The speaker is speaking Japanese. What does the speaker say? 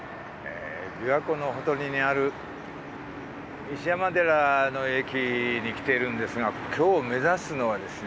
琵琶湖のほとりにある石山寺の駅に来てるんですが今日目指すのはですね